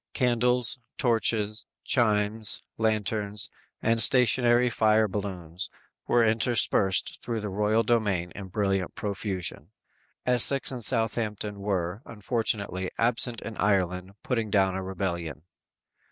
Candles, torches, chimes, lanterns and stationary fire balloons were interspersed through the royal domain in brilliant profusion. Essex and Southampton were, unfortunately, absent in Ireland putting down a rebellion.